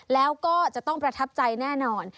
แล้วก็จะต้องประทับใจแน่นอน